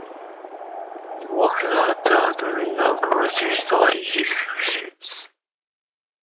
He worked at a Kroger grocery store in his teens.